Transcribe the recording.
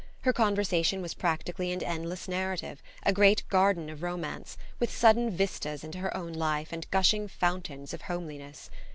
Her conversation was practically an endless narrative, a great garden of romance, with sudden vistas into her own life and gushing fountains of homeliness.